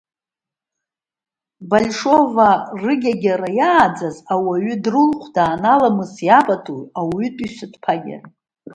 Большоваа рыгьагьара иааӡаз ауаҩы дрылхәдаан аламыси, апатуи, ауаҩытәыҩсатә ԥагьареи.